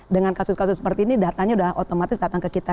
dengan kasus kasus seperti ini datanya sudah otomatis datang ke kita